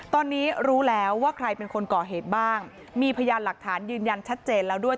ตอนนี้รู้แล้วว่าใครเป็นคนก่อเหตุบ้างมีพยานหลักฐานยืนยันชัดเจนแล้วด้วย